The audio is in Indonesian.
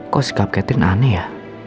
kok sikap katrin aneh ya